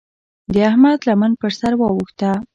د احمد لمن پر سر واوښته.